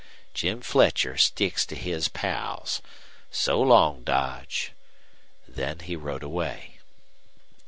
Jim Fletcher sticks to his pals. So long, Dodge." Then he rode away.